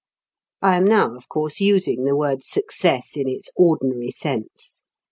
I am now, of course, using the word success in its ordinary sense.